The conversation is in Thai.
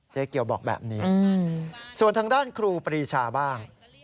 ส่วนทางด้านครูปริชาบ้าง